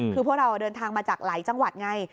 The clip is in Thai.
คือพวกเราเดินทางมาจากหลายจังหวัดไง